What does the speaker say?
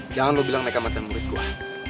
jangan lo bilang mereka mata murid gue